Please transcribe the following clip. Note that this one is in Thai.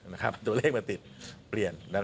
ตัวเลขมันติดเปลี่ยน